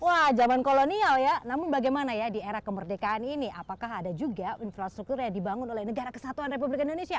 wah zaman kolonial ya namun bagaimana ya di era kemerdekaan ini apakah ada juga infrastruktur yang dibangun oleh negara kesatuan republik indonesia